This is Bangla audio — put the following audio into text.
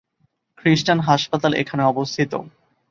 খ্রিস্টান হাসপাতাল এখানে অবস্থিত।